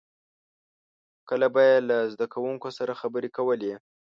• کله به یې له زدهکوونکو سره خبرې کولې.